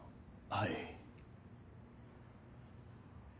はい。